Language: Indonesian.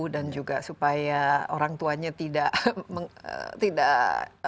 dan juga supaya orang tuanya tidak